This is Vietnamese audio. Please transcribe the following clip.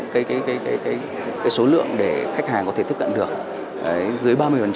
cái số lượng để khách hàng có thể tiếp cận được dưới ba mươi